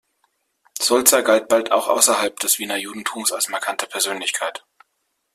Sulzer galt bald auch außerhalb des Wiener Judentums als markante Persönlichkeit.